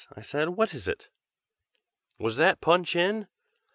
I said, "what is it?" "Was that Pun Chin?"